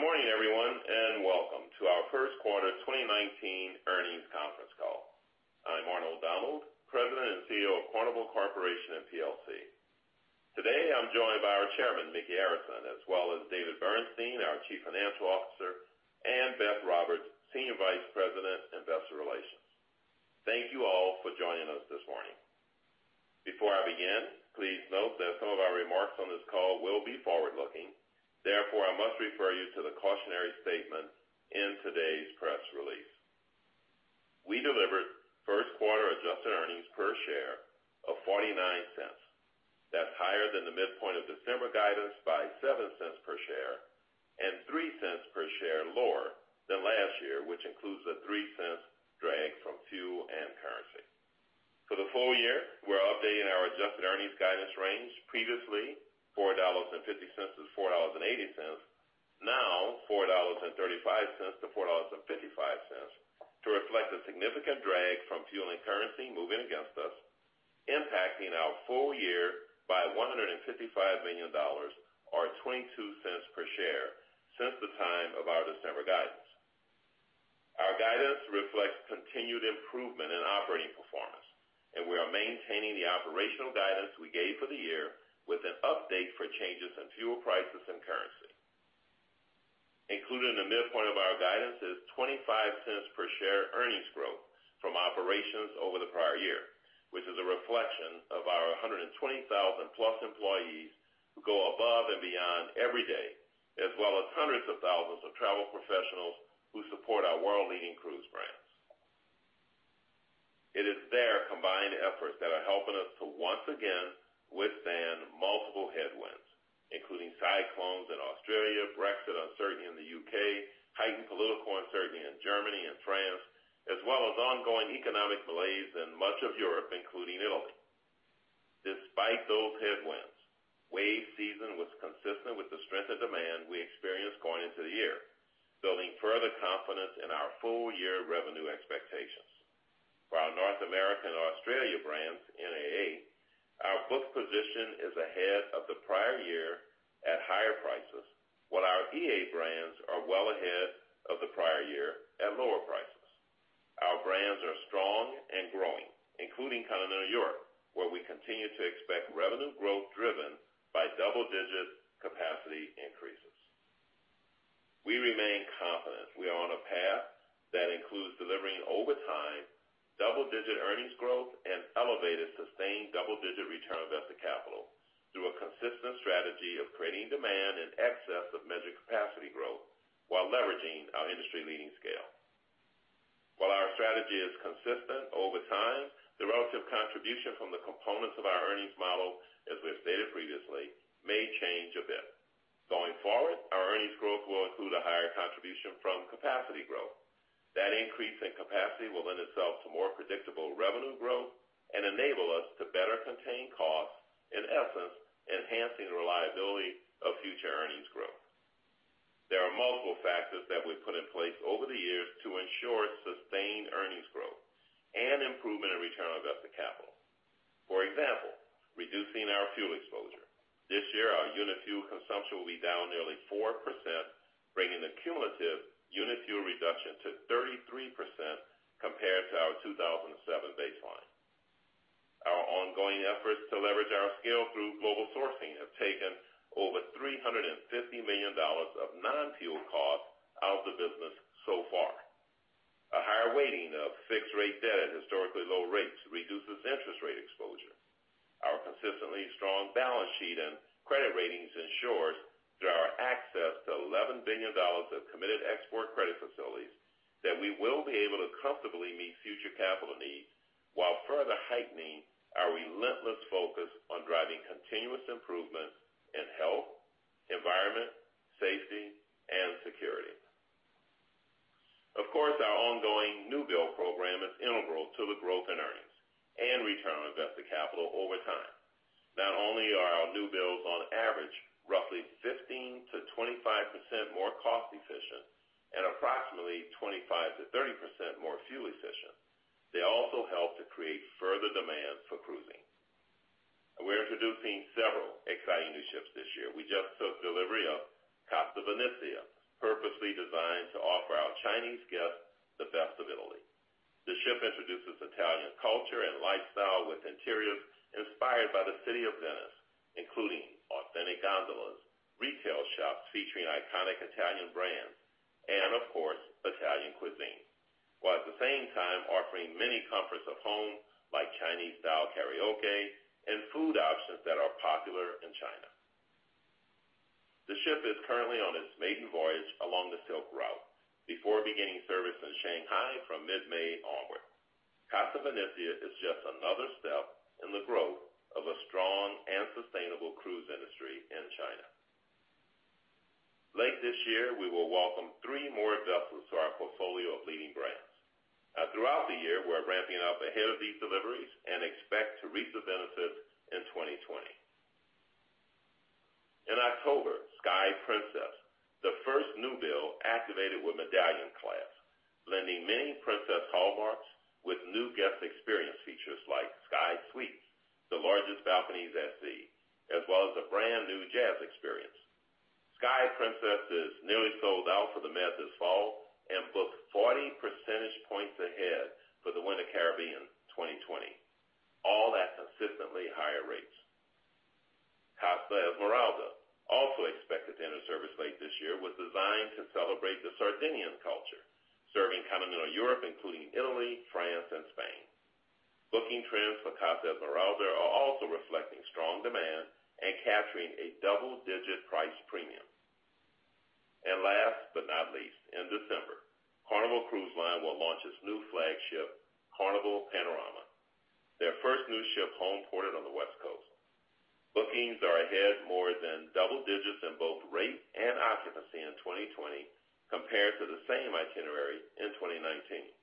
Good morning, everyone, and welcome to our first quarter 2019 earnings conference call. I'm Arnold Donald, President and Chief Executive Officer of Carnival Corporation and PLC. Today, I'm joined by our Chairman, Micky Arison, as well as David Bernstein, our Chief Financial Officer, and Beth Roberts, Senior Vice President, Investor Relations. Thank you all for joining us this morning. Before I begin, please note that some of our remarks on this call will be forward-looking. Therefore, I must refer you to the cautionary statement in today's press release. We delivered first quarter-adjusted earnings per share of $0.49. That's higher than the midpoint of December guidance by $0.07 per share and $0.03 per share lower than last year, which includes a $0.03 drag from fuel and currency. For the full year, we're updating our adjusted earnings guidance range, previously $4.50-$4.80, now $4.35-$4.55 to reflect the significant drag from fuel and currency moving against us, impacting our full year by $155 million, or $0.22 per share since the time of our December guidance. Our guidance reflects continued improvement in operating performance. We are maintaining the operational guidance we gave for the year with an update for changes in fuel prices and currency. Included in the midpoint of our guidance is $0.25 per share earnings growth from operations over the prior year, which is a reflection of our 120,000-plus employees who go above and beyond every day, as well as hundreds of thousands of travel professionals who support our world-leading cruise brands. It is their combined efforts that are helping us to once again withstand multiple headwinds, including cyclones in Australia, Brexit uncertainty in the U.K., heightened political uncertainty in Germany and France, as well as ongoing economic malaise in much of Europe, including Italy. Despite those headwinds, wave season was consistent with the strength of demand we experienced going into the year, building further confidence in our full-year revenue expectations. For our North American and Australia brands, NAA, our booked position is ahead of the prior year at higher prices, while our EA brands are well ahead of the prior year at lower prices. Our brands are strong and growing, including Continental Europe, where we continue to expect revenue growth driven by double-digit capacity increases. We remain confident we are on a path that includes delivering over time, double-digit earnings growth, and elevated sustained double-digit return on invested capital through a consistent strategy of creating demand in excess of measured capacity growth while leveraging our industry-leading scale. While our strategy is consistent over time, the relative contribution from the components of our earnings model, as we've stated previously, may change a bit. Going forward, our earnings growth will include a higher contribution from capacity growth. That increase in capacity will lend itself to more predictable revenue growth and enable us to better contain costs, in essence, enhancing the reliability of future earnings growth. There are multiple factors that we've put in place over the years to ensure sustained earnings growth and improvement in return on invested capital. For example, reducing our fuel exposure. This year, our unit fuel consumption will be down nearly 4%, bringing the cumulative unit fuel reduction to 33% compared to our 2007 baseline. Our ongoing efforts to leverage our scale through global sourcing have taken over $350 million of non-fuel costs out of the business so far. A higher weighting of fixed-rate debt at historically low rates reduces interest rate exposure. Our consistently strong balance sheet and credit ratings ensure through our access to $11 billion of committed export credit facilities, that we will be able to comfortably meet future capital needs while further heightening our relentless focus on driving continuous improvement in health, environment, safety, and security. Of course, our ongoing new build program is integral to the growth in earnings and return on invested capital over time. Not only are our new builds on average roughly 15%-25% more cost-efficient and approximately 25%-30% more fuel efficient, they also help to create further demand for cruising. We are introducing several exciting new ships this year. We just took delivery of Costa Venezia, purposely designed to offer our Chinese guests the best of Italy. The ship introduces Italian culture and lifestyle with interiors inspired by the city of Venice, including authentic gondolas, retail shops featuring iconic Italian brands, and of course, Italian cuisine. While at the same time offering many comforts of home, like Chinese-style karaoke and food options that are popular in China. The ship is currently on its maiden voyage along the Silk Route before beginning service in Shanghai from mid-May onward. Costa Venezia is just another step in the growth of a strong and sustainable cruise industry in China. Late this year, we will welcome three more vessels to our portfolio of leading brands. Now throughout the year, we are ramping up ahead of these deliveries and expect to reap the benefits in 2020. In October, Sky Princess, the first new build activated with MedallionClass, blending many Princess hallmarks with new guest experience features like Sky Suites, the largest balconies at sea, as well as a brand-new jazz experience. Sky Princess is nearly sold out for the Med this fall and booked 40 percentage points ahead for the Winter Caribbean 2020, all at consistently higher rates. Costa Smeralda, also expected to enter service late this year, was designed to celebrate the Sardinian culture, serving continental Europe, including Italy, France, and Spain. Booking trends for Costa Smeralda are also reflecting strong demand and capturing a double-digit price premium. Last but not least, in December, Carnival Cruise Line will launch its new flagship, Carnival Panorama, their first new ship homeported on the West Coast. Bookings are ahead more than double digits in both rate and occupancy in 2020 compared to the same itinerary in 2019.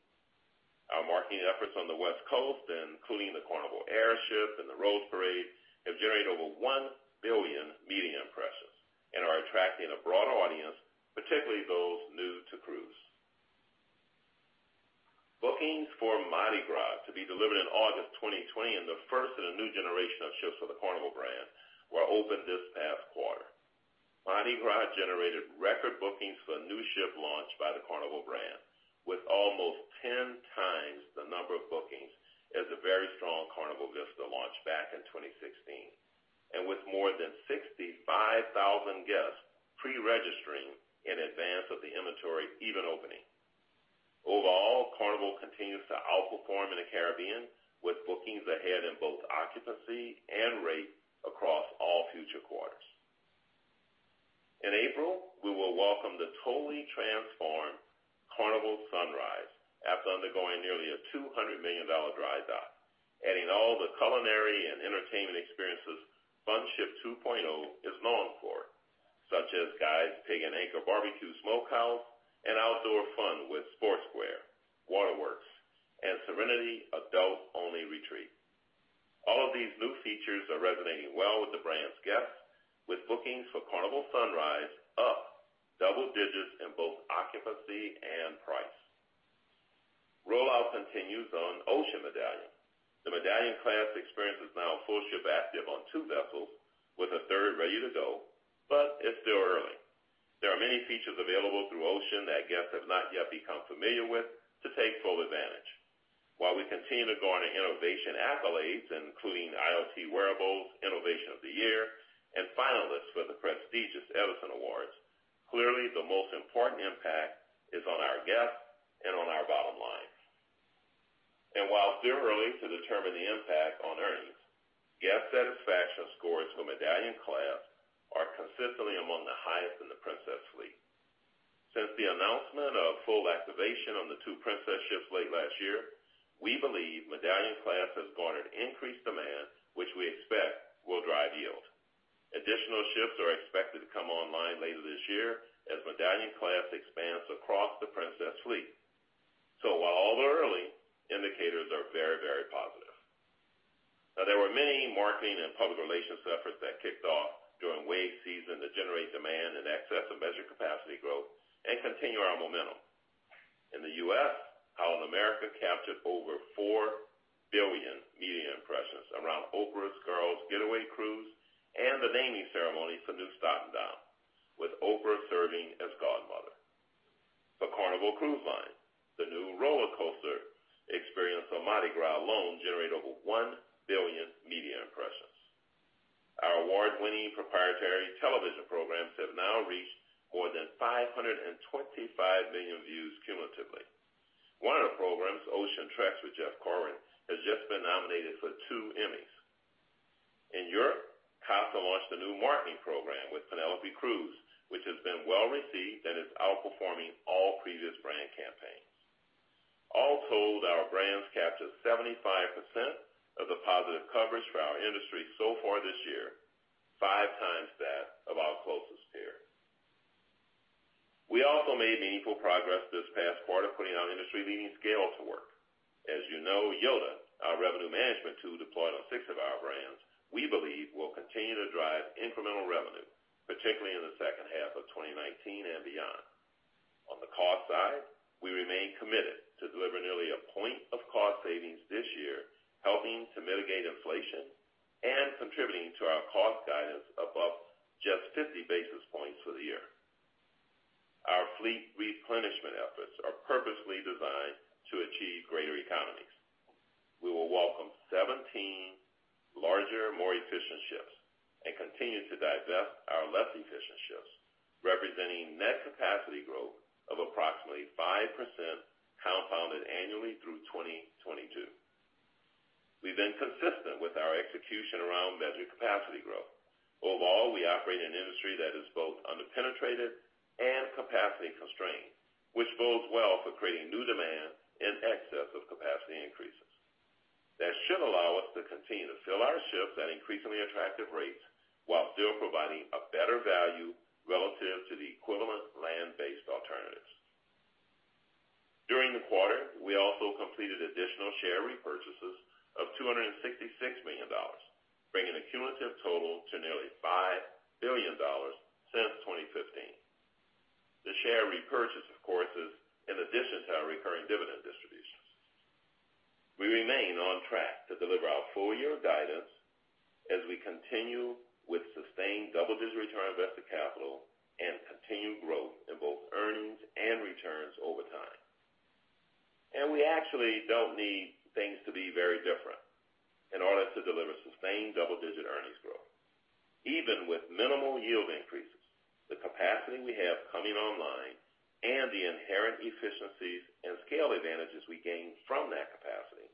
Our marketing efforts on the West Coast, including the Carnival AirShip and the Rose Parade, have generated over 1 billion media impressions and are attracting a broad audience, particularly those new to cruise. Bookings for Mardi Gras, to be delivered in August 2020 and the first in a new generation of ships for the Carnival brand, were opened this past quarter. Mardi Gras generated record bookings for a new ship launch by the Carnival brand, with almost 10 times the number of bookings as the very strong Carnival Vista launch back in 2016, with more than 65,000 guests preregistering in advance of the inventory even opening. Overall, Carnival continues to outperform in the Caribbean, with bookings ahead in both occupancy and rate across all future quarters. In April, we will welcome the totally transformed Carnival Sunrise after undergoing nearly a $200 million dry dock, adding all the culinary and entertainment experiences Fun Ship 2.0 is known for, such as Guy's Pig & Anchor Bar-B-Que Smokehouse and outdoor fun with SportSquare, WaterWorks, and Serenity adult-only retreat. All of these new features are resonating well with the brand's guests, with bookings for Carnival Sunrise up double digits in both occupancy and price. Rollout continues on Ocean Medallion. The MedallionClass experience is now full-ship active on two vessels, with a third ready to go, it's still early. There are many features available through Ocean that guests have not yet become familiar with to take full advantage. While we continue to garner innovation accolades, including IoT Wearables Innovation of the Year and finalists for the prestigious Edison Awards, clearly the most important impact is on our guests and on our bottom line. While it's still early to determine the impact on earnings, guest satisfaction scores for MedallionClass are consistently among the highest in the Princess fleet. Since the announcement of full activation on the two Princess ships late last year, we believe MedallionClass has garnered increased demand, which we expect will drive yield. Additional ships are expected to come online later this year as MedallionClass expands across the Princess fleet. While all are early, indicators are very positive. Now there were many marketing and public relations efforts that kicked off during wave season to generate demand in excess of measured capacity growth and continue our momentum. In the U.S., Holland America captured over four billion media impressions around Oprah's Girls Getaway cruise and the naming ceremony for Nieuw Statendam, with Oprah serving as godmother. For Carnival Cruise Line, the new roller coaster experience on Mardi Gras alone generated over one billion media impressions. Our award-winning proprietary television programs have now reached more than 525 million views cumulatively. One of the programs, Ocean Treks with Jeff Corwin, has just been nominated for two Emmys. In Europe, Costa launched a new marketing program with Penélope Cruz, which has been well-received and is outperforming all previous brand campaigns. All told, our brands captured 75% of the positive coverage for our industry so far this year, five times that of our closest peer. We also made meaningful progress this past quarter putting our industry-leading scale to work. As you know, YODA, our revenue management tool deployed on six of our brands, we believe will continue to drive incremental revenue, particularly in the second half of 2019 and beyond. On the cost side, we remain committed to delivering nearly a point of cost savings this year, helping to mitigate inflation and contributing to our cost guidance above just 50 basis points for the year. Our fleet replenishment efforts are purposely designed to achieve greater economies. We will welcome 17 larger, more efficient ships and continue to divest our less efficient ships, representing net capacity growth of approximately 5% compounded annually through 2022. We've been consistent with our execution around measured capacity growth. Overall, we operate in an industry that is both under-penetrated and capacity-constrained, which bodes well for creating new demand in excess of capacity increases. That should allow us to continue to fill our ships at increasingly attractive rates while still providing a better value relative to the equivalent land-based alternatives. During the quarter, we also completed additional share repurchases of $266 million, bringing a cumulative total to nearly $5 billion since 2015. The share repurchase, of course, is in addition to our recurring dividend distributions. We remain on track to deliver our full-year guidance as we continue with sustained double-digit return on invested capital and continued growth in both earnings and returns over time. We actually don't need things to be very different in order to deliver sustained double-digit earnings growth. Even with minimal yield increases, the capacity we have coming online and the inherent efficiencies and scale advantages we gain from that capacity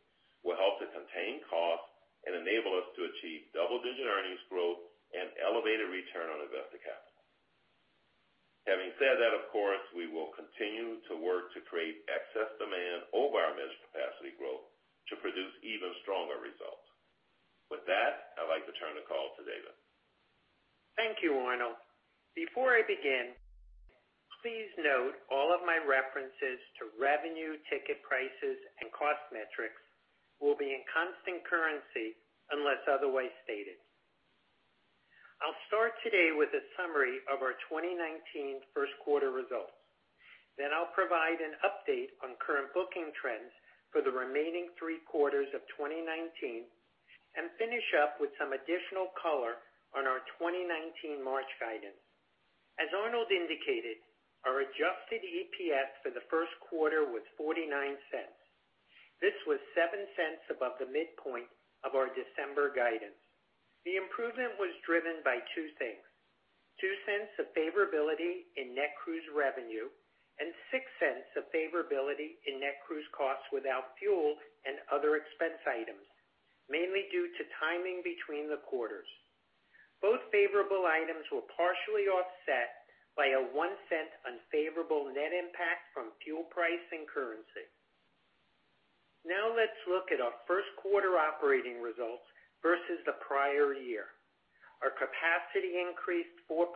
will help to contain costs and enable us to achieve double-digit earnings growth and elevated return on invested capital. Having said that, of course, we will continue to work to create excess demand over our managed capacity growth to produce even stronger results. With that, I'd like to turn the call to David. Thank you, Arnold. Before I begin, please note all of my references to revenue, ticket prices, and cost metrics will be in constant currency unless otherwise stated. I'll start today with a summary of our 2019 first quarter results. I'll provide an update on current booking trends for the remaining three quarters of 2019, finish up with some additional color on our 2019 March guidance. As Arnold indicated, our adjusted EPS for the first quarter was $0.49. This was $0.07 above the midpoint of our December guidance. The improvement was driven by two things: $0.02 of favorability in net cruise revenue and $0.06 of favorability in net cruise costs without fuel and other expense items, mainly due to timing between the quarters. Both favorable items were partially offset by a $0.01 unfavorable net impact from fuel price and currency. Let's look at our first quarter operating results versus the prior year. Our capacity increased 4.1%.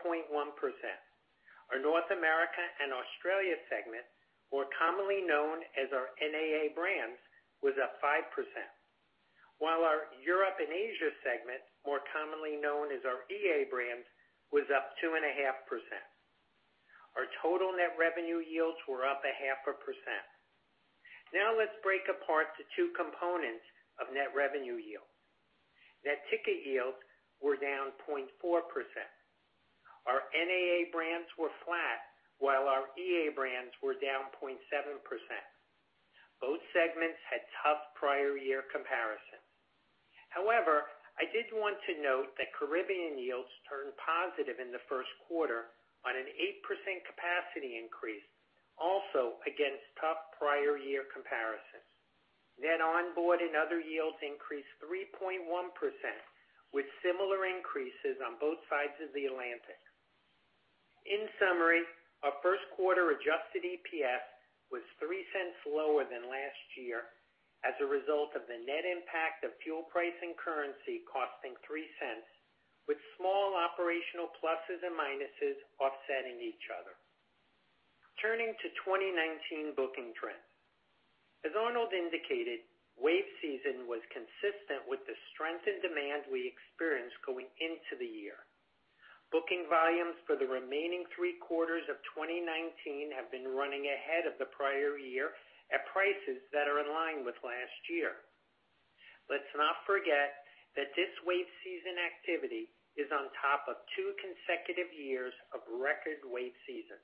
Our North America and Australia segment, more commonly known as our NAA brands, was up 5%, while our Europe and Asia segment, more commonly known as our EA brands, was up 2.5%. Our total net revenue yields were up a half a percent. Let's break apart the two components of net revenue yield. Net ticket yields were down 0.4%. Our NAA brands were flat, while our EA brands were down 0.7%. Both segments had tough prior year comparison. However, I did want to note that Caribbean yields turned positive in the first quarter on an 8% capacity increase, also against tough prior year comparisons. Net onboard and other yields increased 3.1%, with similar increases on both sides of the Atlantic. In summary, our first quarter adjusted EPS was $0.03 lower than last year as a result of the net impact of fuel price and currency costing $0.03, with small operational pluses and minuses offsetting each other. Turning to 2019 booking trends. As Arnold indicated, wave season was consistent with the strength in demand we experienced going into the year. Booking volumes for the remaining 3 quarters of 2019 have been running ahead of the prior year at prices that are in line with last year. Let's not forget that this wave season activity is on top of 2 consecutive years of record wave season.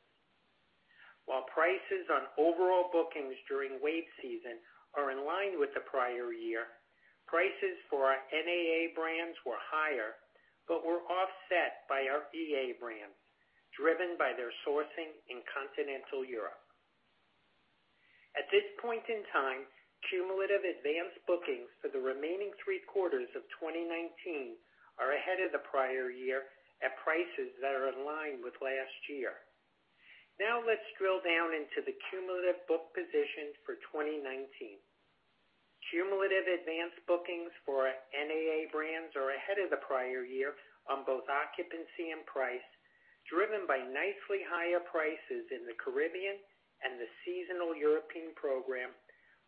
While prices on overall bookings during wave season are in line with the prior year, prices for our NAA brands were higher but were offset by our EA brands, driven by their sourcing in Continental Europe. At this point in time, cumulative advanced bookings for the remaining 3 quarters of 2019 are ahead of the prior year at prices that are in line with last year. Let's drill down into the cumulative book position for 2019. Cumulative advanced bookings for our NAA brands are ahead of the prior year on both occupancy and price, driven by nicely higher prices in the Caribbean and the seasonal European program,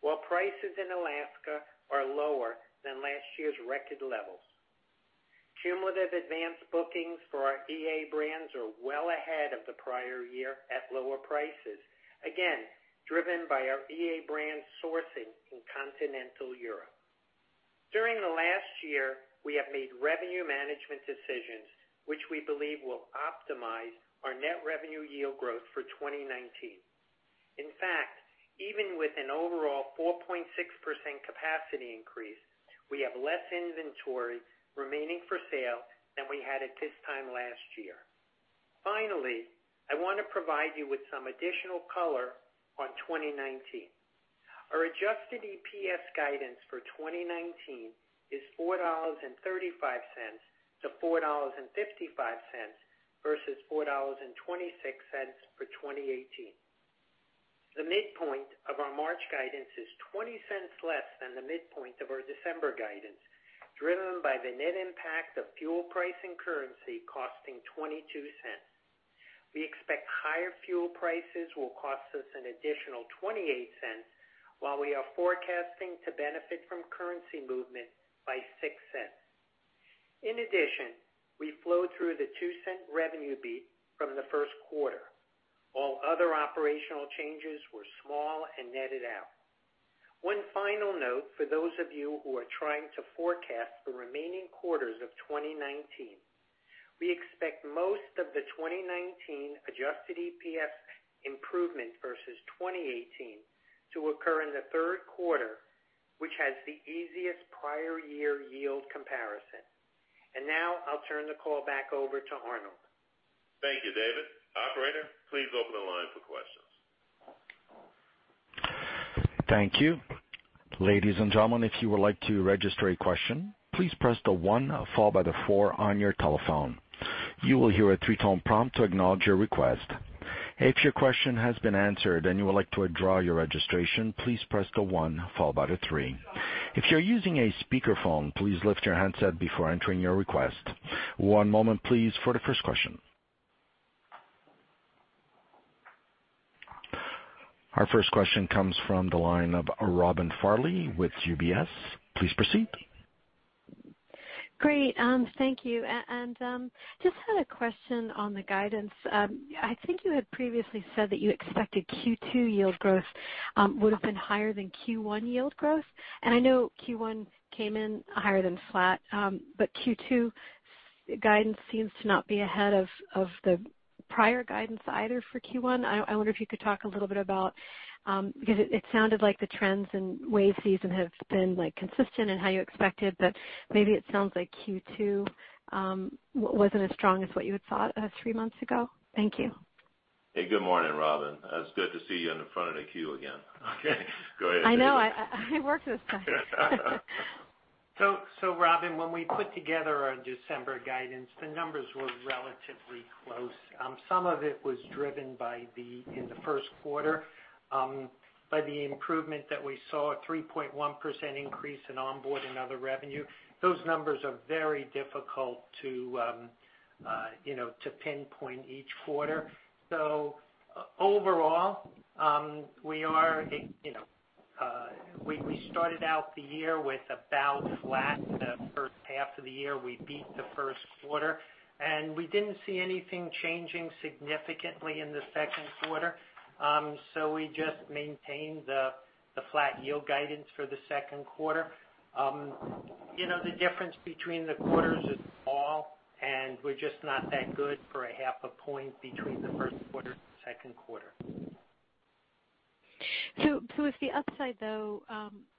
while prices in Alaska are lower than last year's record levels. Cumulative advanced bookings for our EA brands are well ahead of the prior year at lower prices. Again, driven by our EA brand sourcing in Continental Europe. During the last year, we have made revenue management decisions which we believe will optimize our net revenue yield growth for 2019. In fact, even with an overall 4.6% capacity increase, we have less inventory remaining for sale than we had at this time last year. Finally, I want to provide you with some additional color on 2019. Our adjusted EPS guidance for 2019 is $4.35-$4.55 versus $4.26 for 2018. The midpoint of our March guidance is $0.20 less than the midpoint of our December guidance, driven by the net impact of fuel price and currency costing $0.22. We expect higher fuel prices will cost us an additional $0.28, while we are forecasting to benefit from currency movement by $0.06. In addition, we flow through the $0.02 revenue beat from the first quarter. All other operational changes were small and netted out. One final note for those of you who are trying to forecast the remaining quarters of 2019. We expect most of the 2019 adjusted EPS improvement versus 2018 to occur in the third quarter, which has the easiest prior year yield comparison. Now I'll turn the call back over to Arnold. Thank you, David. Operator, please open the line for questions. Thank you. Ladies and gentlemen, if you would like to register a question, please press the one followed by the four on your telephone. You will hear a three-tone prompt to acknowledge your request. If your question has been answered and you would like to withdraw your registration, please press the one followed by the three. If you're using a speakerphone, please lift your handset before entering your request. One moment please for the first question. Our first question comes from the line of Robin Farley with UBS. Please proceed. Great. Thank you. Just had a question on the guidance. I think you had previously said that you expected Q2 yield growth would've been higher than Q1 yield growth. I know Q1 came in higher than flat. Q2 guidance seems to not be ahead of the prior guidance either for Q1. I wonder if you could talk a little bit about Because it sounded like the trends in wave season have been consistent and how you expected, but maybe it sounds like Q2 wasn't as strong as what you had thought three months ago. Thank you. Hey, good morning, Robin. It's good to see you in the front of the queue again. Go ahead. I know. I worked this time. Robin, when we put together our December guidance, the numbers were relatively close. Some of it was driven in the first quarter, by the improvement that we saw, a 3.1% increase in onboard and other revenue. Those numbers are very difficult to pinpoint each quarter. Overall, we started out the year with about flat the first half of the year. We beat the first quarter. We didn't see anything changing significantly in the second quarter, so we just maintained the flat yield guidance for the second quarter. The difference between the quarters is small, and we're just not that good for a half a point between the first quarter and second quarter. If the upside though,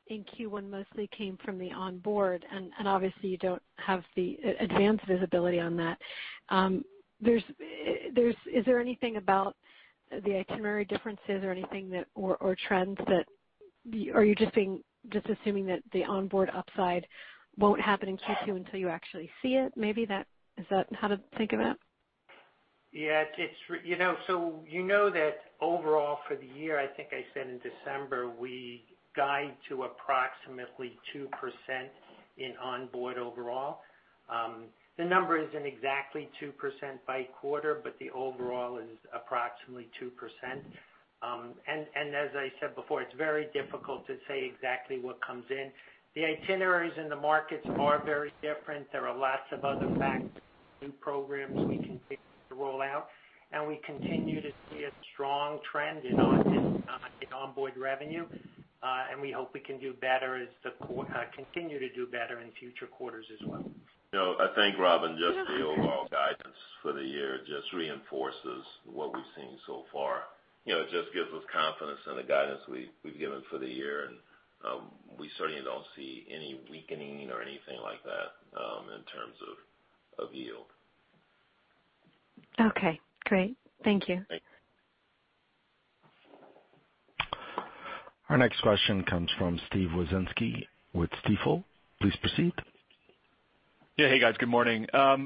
in Q1 mostly came from the onboard, and obviously you don't have the advanced visibility on that. Is there anything about the itinerary differences or anything or trends that Are you just assuming that the onboard upside won't happen in Q2 until you actually see it? Maybe is that how to think of it? Yeah. You know that overall for the year, I think I said in December, we guide to approximately 2% in onboard overall. The number isn't exactly 2% by quarter, but the overall is approximately 2%. As I said before, it's very difficult to say exactly what comes in. The itineraries in the markets are very different. There are lots of other factors, new programs we can pick to roll out, and we continue to see a strong trend in onboard revenue. We hope we can continue to do better in future quarters as well. I think Robin, just the overall guidance for the year just reinforces what we've seen so far. It just gives us confidence in the guidance we've given for the year, and we certainly don't see any weakening or anything like that, in terms of yield. Okay, great. Thank you. Thanks. Our next question comes from Steve Wieczynski with Stifel. Please proceed. Yeah. Hey, guys. Good morning. I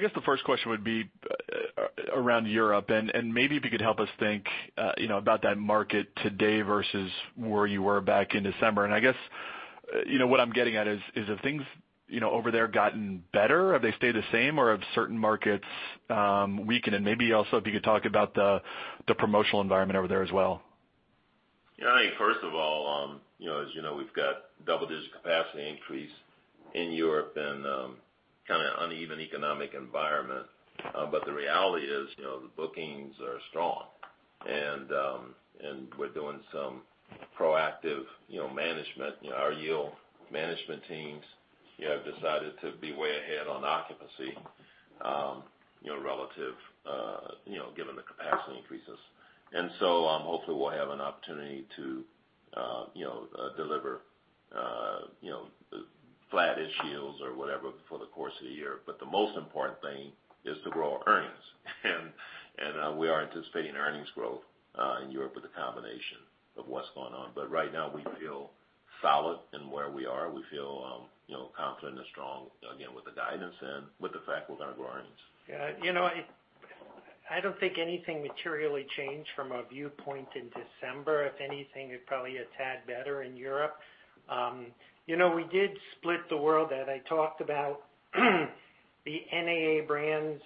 guess the first question would be around Europe, and maybe if you could help us think about that market today versus where you were back in December. I guess, what I'm getting at is if things over there gotten better, have they stayed the same or have certain markets weakened? Maybe also if you could talk about the promotional environment over there as well. Yeah. First of all, as you know, we've got double-digit capacity increase in Europe and kind of uneven economic environment. The reality is, the bookings are strong and we're doing some proactive management. Our yield management teams have decided to be way ahead on occupancy given the capacity increases. Hopefully we'll have an opportunity to deliver flattish yields or whatever for the course of the year. The most important thing is to grow our earnings. We are anticipating earnings growth in Europe with a combination of what's going on. Right now we feel solid in where we are. We feel confident and strong again with the guidance and with the fact we're going to grow earnings. Yeah. I don't think anything materially changed from a viewpoint in December. If anything, it probably a tad better in Europe. We did split the world that I talked about. The NAA brands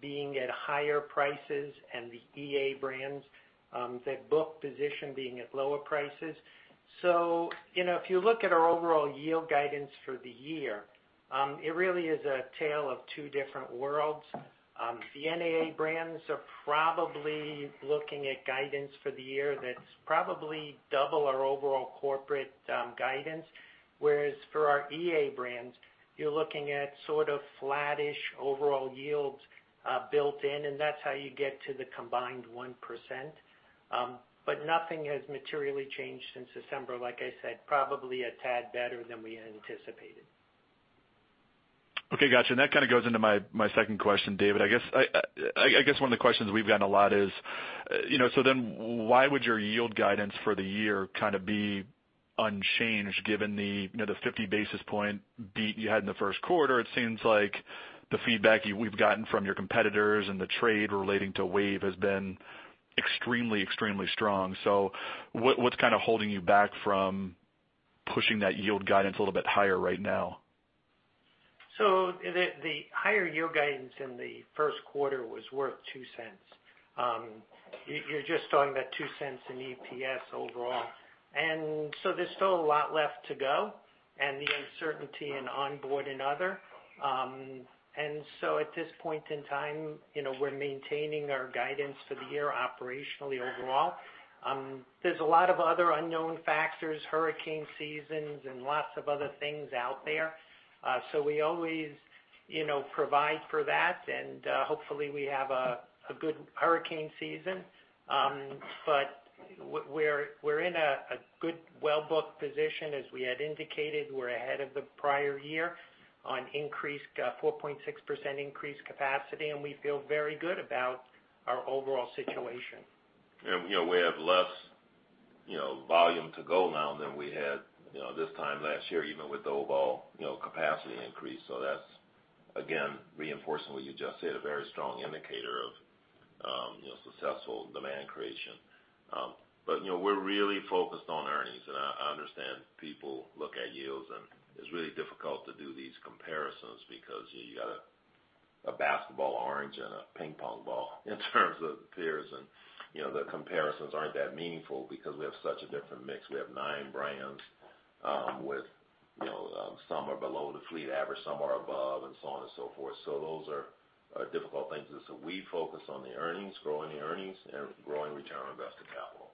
being at higher prices and the EA brands, that book position being at lower prices. If you look at our overall yield guidance for the year, it really is a tale of two different worlds. The NAA brands are probably looking at guidance for the year that's probably double our overall corporate guidance, whereas for our EA brands, you're looking at sort of flat-ish overall yields built in, and that's how you get to the combined 1%. Nothing has materially changed since December, like I said, probably a tad better than we anticipated. Okay, got you. That kind of goes into my second question, David. I guess, one of the questions we've gotten a lot is, why would your yield guidance for the year be unchanged given the 50 basis point beat you had in the first quarter? It seems like the feedback we've gotten from your competitors and the trade relating to wave has been extremely strong. What's holding you back from pushing that yield guidance a little bit higher right now? The higher yield guidance in the first quarter was worth $0.02. You're just talking about $0.02 in EPS overall. There's still a lot left to go, and the uncertainty in onboard and other. At this point in time, we're maintaining our guidance for the year operationally overall. There's a lot of other unknown factors, hurricane seasons, and lots of other things out there. We always provide for that, and hopefully we have a good hurricane season. We're in a good, well-booked position, as we had indicated. We're ahead of the prior year on 4.6% increased capacity, and we feel very good about our overall situation. We have less volume to go now than we had this time last year, even with the overall capacity increase. That's, again, reinforcing what you just said, a very strong indicator of successful demand creation. We're really focused on earnings, and I understand people look at yields, and it's really difficult to do these comparisons because you got a basketball orange and a ping pong ball in terms of peers. The comparisons aren't that meaningful because we have such a different mix. We have nine brands with some are below the fleet average, some are above, and so on and so forth. Those are difficult things. We focus on the earnings, growing the earnings, and growing return on invested capital.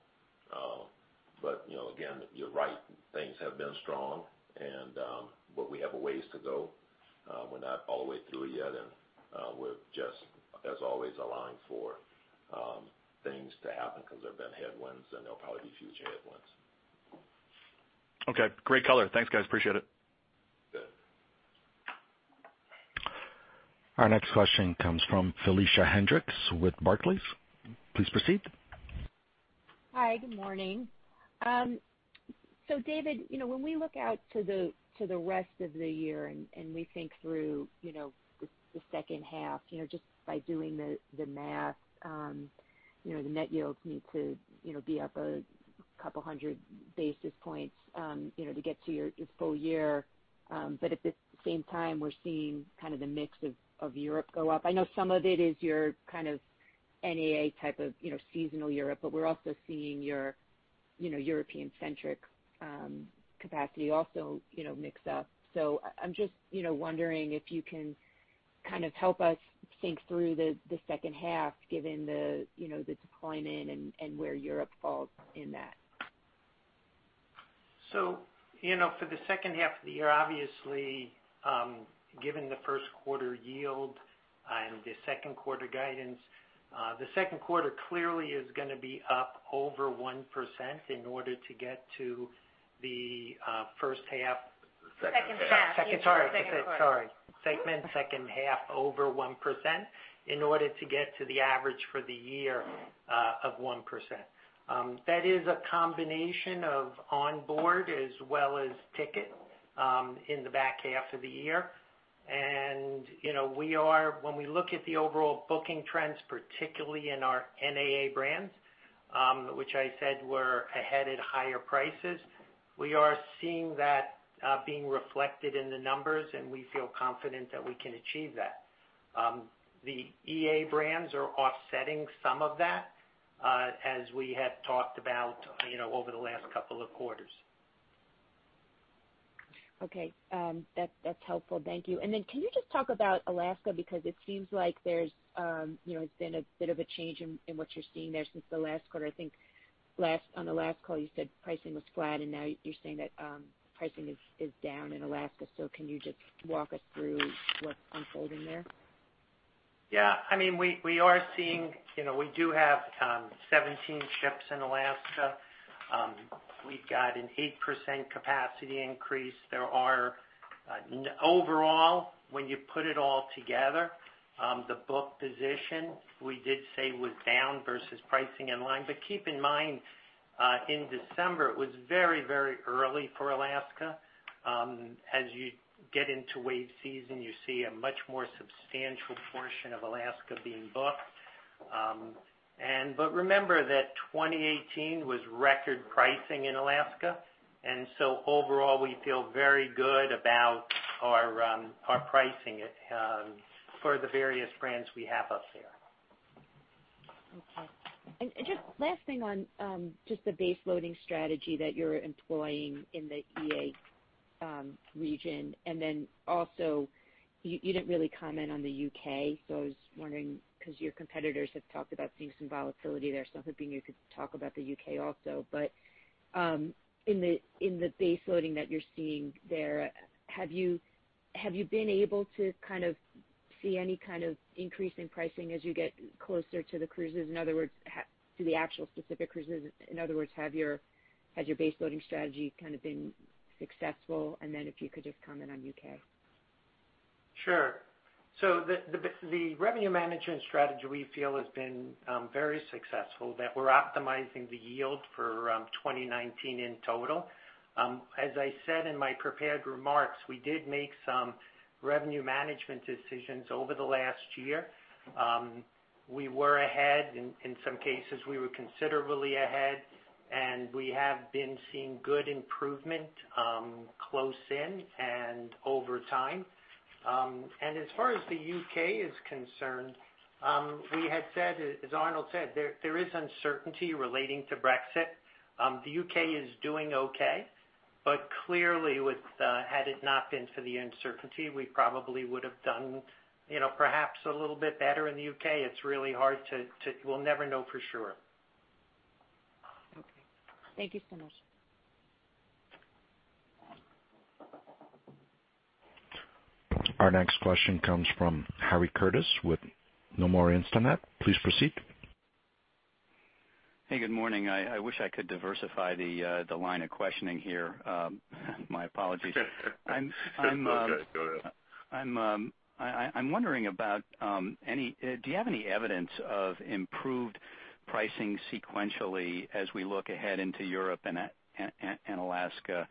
Again, you're right, things have been strong, but we have a ways to go. We're not all the way through it yet, we're just, as always, allowing for things to happen because there've been headwinds, there'll probably be future headwinds. Okay, great color. Thanks, guys, appreciate it. Good. Our next question comes from Felicia Hendrix with Barclays. Please proceed. Hi, good morning. David, when we look out to the rest of the year and we think through the second half, just by doing the math, the net yields need to be up a couple hundred basis points to get to your full year. At the same time, we're seeing the mix of Europe go up. I know some of it is your NAA type of seasonal Europe, but we're also seeing your European-centric capacity also mix up. I'm just wondering if you can help us think through the second half given the deployment and where Europe falls in that. For the second half of the year, obviously, given the first quarter yield and the second quarter guidance, the second quarter clearly is going to be up over 1% in order to get to the first half- Second half. Sorry. Segment second half over 1% in order to get to the average for the year of 1%. That is a combination of onboard as well as ticket in the back half of the year. When we look at the overall booking trends, particularly in our NAA brands, which I said were ahead at higher prices, we are seeing that being reflected in the numbers, and we feel confident that we can achieve that. The EA brands are offsetting some of that as we had talked about over the last couple of quarters. Okay. That's helpful. Thank you. Can you just talk about Alaska? It seems like there's been a bit of a change in what you're seeing there since the last quarter. I think on the last call, you said pricing was flat, and now you're saying that pricing is down in Alaska. Can you just walk us through what's unfolding there? Yeah, we do have 17 ships in Alaska. We've got an 8% capacity increase. Overall, when you put it all together, the book position we did say was down versus pricing in line. Keep in mind, in December, it was very early for Alaska. As you get into wave season, you see a much more substantial portion of Alaska being booked. Remember that 2018 was record pricing in Alaska. Overall, we feel very good about our pricing for the various brands we have up there. Okay. Just last thing on just the base-loading strategy that you're employing in the EA region. Also you didn't really comment on the U.K. I was wondering, your competitors have talked about seeing some volatility there. I was hoping you could talk about the U.K. also. In the base-loading that you're seeing there, have you been able to see any kind of increase in pricing as you get closer to the cruises? In other words, to the actual specific cruises. In other words, has your base-loading strategy kind of been successful, and then if you could just comment on U.K. Sure. The revenue management strategy we feel has been very successful, that we're optimizing the yield for 2019 in total. As I said in my prepared remarks, we did make some revenue management decisions over the last year. We were ahead, in some cases, we were considerably ahead, and we have been seeing good improvement close in and over time. As far as the U.K. is concerned, we had said, as Arnold said, there is uncertainty relating to Brexit. The U.K. is doing okay, but clearly had it not been for the uncertainty, we probably would have done perhaps a little bit better in the U.K. We'll never know for sure. Okay. Thank you so much. Our next question comes from Harry Curtis with Nomura Instinet. Please proceed. Hey, good morning. I wish I could diversify the line of questioning here. My apologies. It's okay. Go ahead. I'm wondering about, do you have any evidence of improved pricing sequentially as we look ahead into Europe and Alaska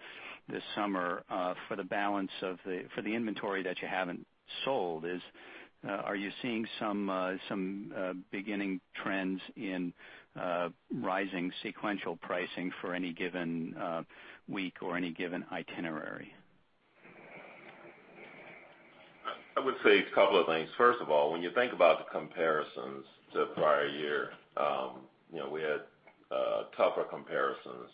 this summer for the inventory that you haven't sold? Are you seeing some beginning trends in rising sequential pricing for any given week or any given itinerary? I would say a couple of things. First of all, when you think about the comparisons to the prior year, we had tougher comparisons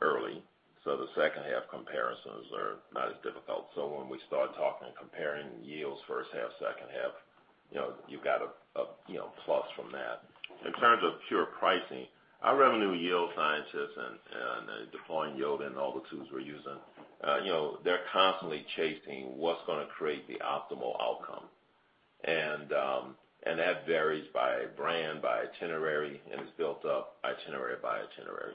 early, the second-half comparisons are not as difficult. When we start talking and comparing yields first half, second half, you've got a plus from that. In terms of pure pricing, our revenue yield scientists and deploying yield and all the tools we're using, they're constantly chasing what's going to create the optimal outcome. That varies by brand, by itinerary, and is built up itinerary by itinerary.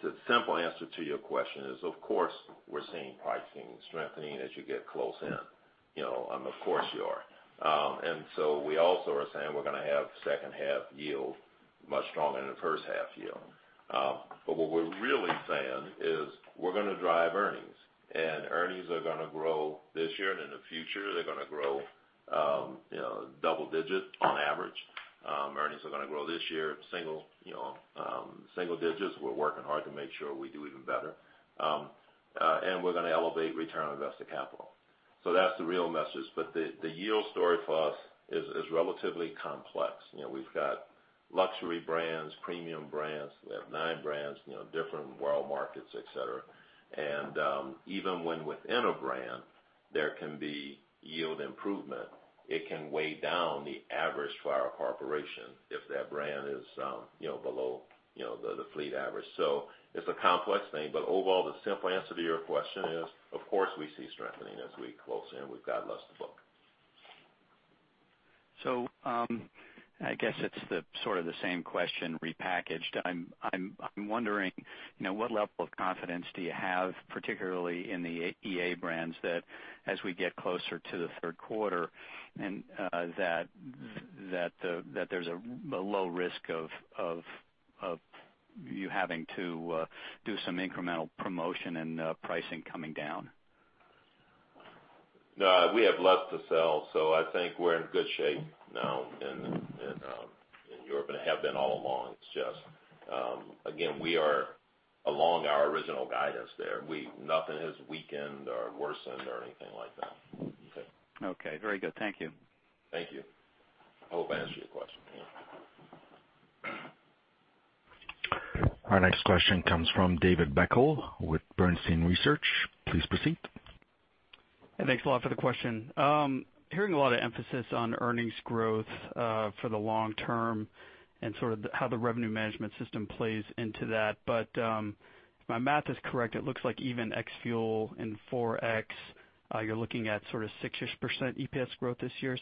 The simple answer to your question is, of course, we're seeing pricing strengthening as you get close in. Of course you are. We also are saying we're going to have second half yield much stronger than the first half yield. What we're really saying is we're going to drive earnings, and earnings are going to grow this year and in the future. They're going to grow double-digit on average. Earnings are going to grow this year, single-digits. We're working hard to make sure we do even better. We're going to elevate return on invested capital. That's the real message. The yield story for us is relatively complex. We've got luxury brands, premium brands. We have nine brands, different world markets, et cetera. Even when within a brand there can be yield improvement, it can weigh down the average for our corporation if that brand is below the fleet average. It's a complex thing, but overall, the simple answer to your question is, of course, we see strengthening as we close in. We've got less to book. I guess it's the sort of the same question repackaged. I'm wondering what level of confidence do you have, particularly in the EA brands that as we get closer to the third quarter and that there's a low risk of you having to do some incremental promotion and pricing coming down? No, we have less to sell, so I think we're in good shape now in Europe and have been all along. We are along our original guidance there. Nothing has weakened or worsened or anything like that. Okay. Very good. Thank you. Thank you. I hope I answered your question. Our next question comes from David Beckel with Bernstein Research. Please proceed. Thanks a lot for the question. If my math is correct, it looks like even ex fuel and FX, you're looking at sort of 6-ish% EPS growth this year.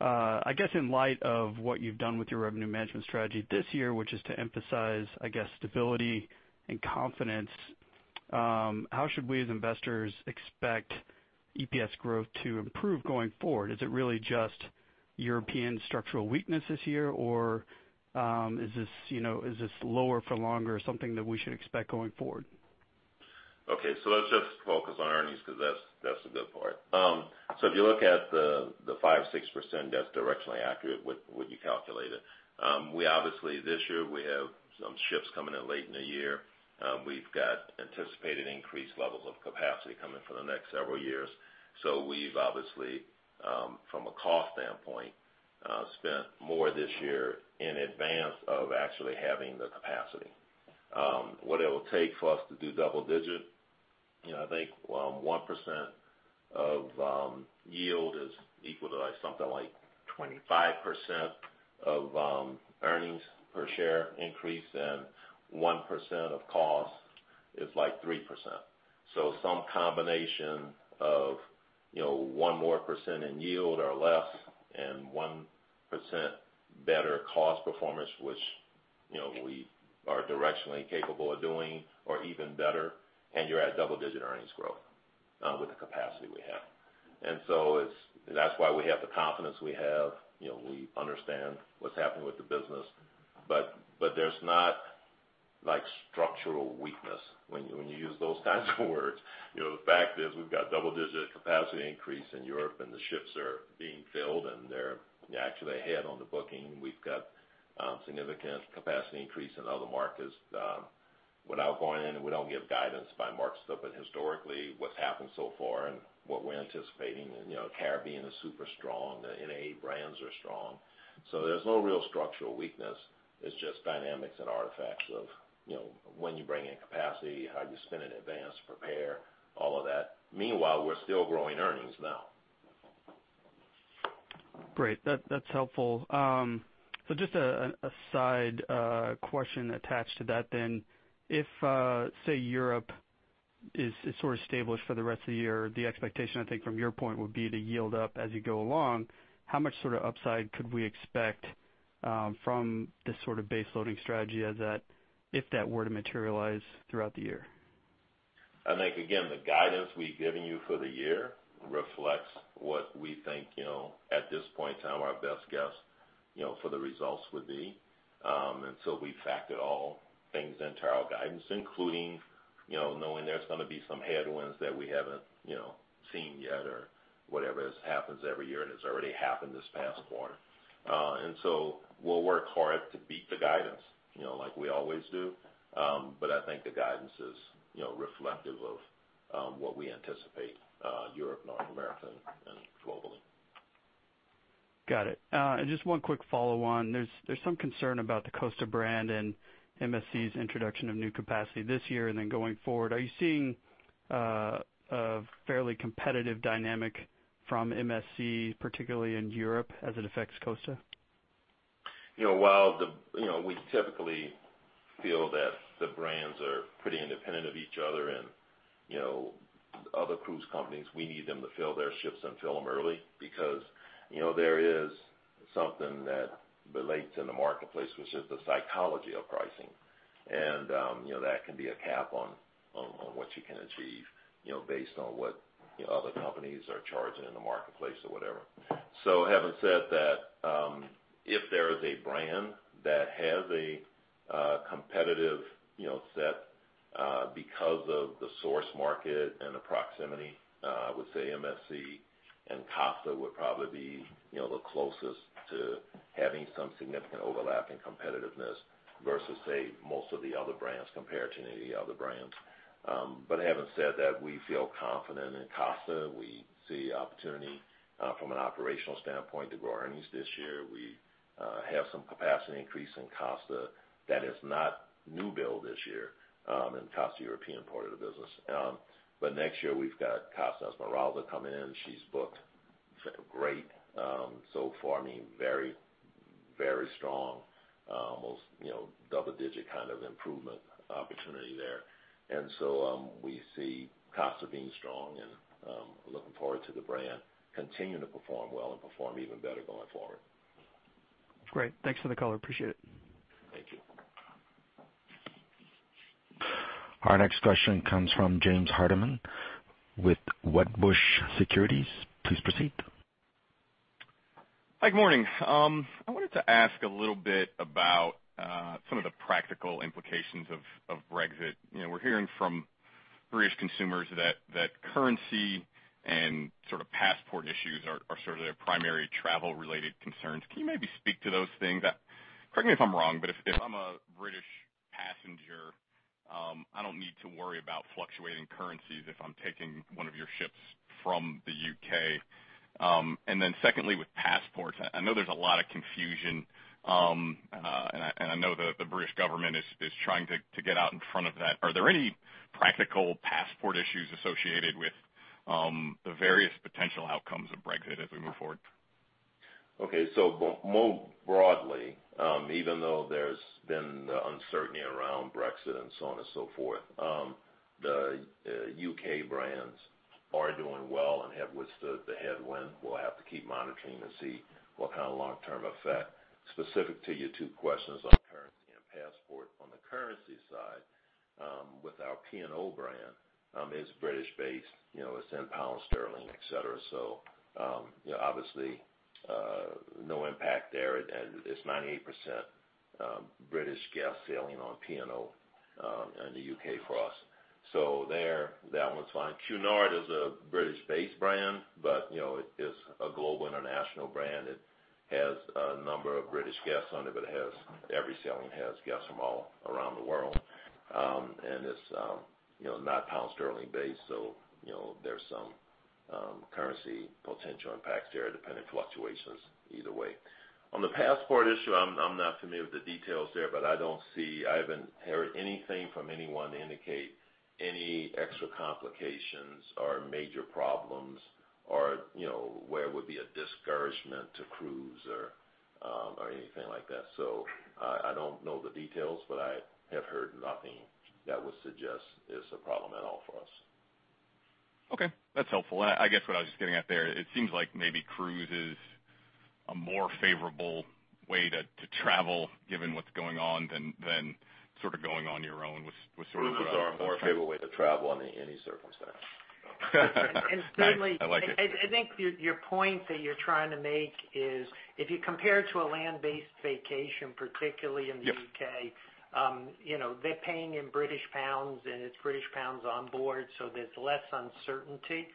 I guess in light of what you've done with your revenue management strategy this year, which is to emphasize, I guess, stability and confidence, how should we as investors expect EPS growth to improve going forward? Is it really just European structural weakness this year, or is this lower for longer something that we should expect going forward? Okay. Let's just focus on earnings, because that's the good part. If you look at the 5%, 6%, that's directionally accurate with what you calculated. Obviously, this year we have some ships coming in late in the year. We've got anticipated increased levels of capacity coming for the next several years. We've obviously, from a cost standpoint, spent more this year in advance of actually having the capacity. What it'll take for us to do double digit, I think 1% of yield is equal to something like 25% of earnings per share increase, and 1% of cost is like 3%. Some combination of one more % in yield or less and 1% better cost performance, which we are directionally capable of doing or even better, and you're at double-digit earnings growth with the capacity we have. That's why we have the confidence we have. We understand what's happening with the business. There's not structural weakness when you use those kinds of words. The fact is, we've got double-digit capacity increase in Europe, the ships are being filled, and they're actually ahead on the booking. We've got significant capacity increase in other markets. Without going in, we don't give guidance by market stuff, historically, what's happened so far and what we're anticipating, Caribbean is super strong, the NA brands are strong. There's no real structural weakness. It's just dynamics and artifacts of when you bring in capacity, how you spend in advance, prepare, all of that. Meanwhile, we're still growing earnings now. Great. That's helpful. Just a side question attached to that then. If, say, Europe is sort of stable for the rest of the year, the expectation, I think, from your point would be to yield up as you go along. How much sort of upside could we expect from this sort of base loading strategy if that were to materialize throughout the year? I think, again, the guidance we've given you for the year reflects what we think at this point in time, our best guess for the results would be. We factored all things into our guidance, including knowing there's going to be some headwinds that we haven't seen yet or whatever, as happens every year, and it's already happened this past quarter. We'll work hard to beat the guidance like we always do. I think the guidance is reflective of what we anticipate Europe, North America, and globally. Got it. Just one quick follow-on. There's some concern about the Costa brand and MSC's introduction of new capacity this year and then going forward. Are you seeing a fairly competitive dynamic from MSC, particularly in Europe, as it affects Costa? While we typically feel that the brands are pretty independent of each other and other cruise companies, we need them to fill their ships and fill them early because there is something that relates in the marketplace, which is the psychology of pricing. That can be a cap on what you can achieve based on what other companies are charging in the marketplace or whatever. Having said that, if there is a brand that has a competitive set because of the source market and the proximity, I would say MSC and Costa would probably be the closest to having some significant overlap in competitiveness versus, say, most of the other brands compared to any of the other brands. Having said that, we feel confident in Costa. We see opportunity from an operational standpoint to grow earnings this year. We have some capacity increase in Costa that is not new build this year in Costa European part of the business. Next year, we've got Costa Smeralda coming in. She's booked great so far, very strong, almost double-digit kind of improvement opportunity there. We see Costa being strong and looking forward to the brand continuing to perform well and perform even better going forward. Great. Thanks for the call. Appreciate it. Thank you. Our next question comes from James Hardiman with Wedbush Securities. Please proceed. Good morning. I wanted to ask a little bit about some of the practical implications of Brexit. We're hearing from British consumers that currency and sort of passport issues are sort of their primary travel-related concerns. Can you maybe speak to those things? Correct me if I'm wrong, if I'm a British passenger, I don't need to worry about fluctuating currencies if I'm taking one of your ships from the U.K. Secondly, with passports, I know there's a lot of confusion, and I know that the British government is trying to get out in front of that. Are there any practical passport issues associated with the various potential outcomes of Brexit as we move forward? Okay. More broadly, even though there's been the uncertainty around Brexit and so on and so forth, the U.K. brands are doing well and have withstood the headwind. We'll have to keep monitoring and see what kind of long-term effect. Specific to your two questions on currency and passport, on the currency side, with our P&O brand. It's British-based, it's in pound sterling, et cetera. Obviously, no impact there. It's 98% British guests sailing on P&O in the U.K. for us. There, that one's fine. Cunard is a British-based brand, but it is a global international brand. It has a number of British guests on it, but every sailing has guests from all around the world. It's not pound sterling based, there's some currency potential impacts there, depending fluctuations either way. On the passport issue, I'm not familiar with the details there, I haven't heard anything from anyone indicate any extra complications or major problems or where it would be a discouragement to cruise or anything like that. I don't know the details, I have heard nothing that would suggest it's a problem at all for us. Okay, that's helpful. I guess what I was just getting at there, it seems like maybe cruise is a more favorable way to travel given what's going on than going on your own with sort of- Cruises are a more favorable way to travel in any circumstance. I like it. Certainly, I think your point that you're trying to make is if you compare to a land-based vacation, particularly in the U.K. Yep They're paying in GBP, and it's GBP on board, there's less uncertainty